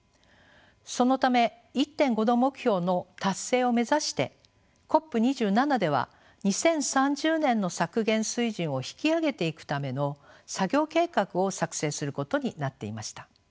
そのため１．５℃目標の達成を目指してＣＯＰ２７では２０３０年の削減水準を引き上げていくための作業計画を作成することになっていました。